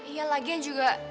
iya lagian juga